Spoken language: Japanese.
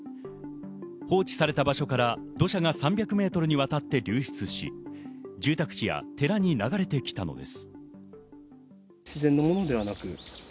放置された場所から土砂が３００ｍにわたって流出し、住宅地や寺に流れてきたのです。